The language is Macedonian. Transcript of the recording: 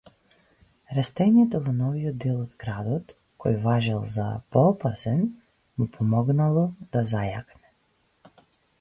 Растењето во новиот дел од градот, кој важел за поопасен, му помогнално да зајакне.